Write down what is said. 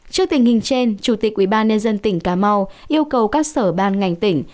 trước tình hình trên chủ tịch ủy ban nhân dân tỉnh cà mau yêu cầu các sở ban ngành tỉnh